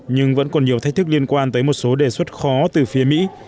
nhưng vẫn còn nhiều thách thức liên quan tới một số đề xuất khó từ phía mỹ